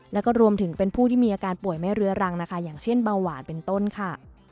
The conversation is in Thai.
แล้วก็รวมถึงเป็นผู้ที่มีอาการป่วยไม่เรื้อรังนะคะอย่างเช่นเบาหวานเป็นต้นค่ะ